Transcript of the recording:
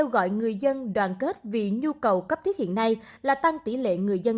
thủ tướng đã kêu gọi người dân đoàn kết vì nhu cầu cấp thiết hiện nay là tăng tỷ lệ người dân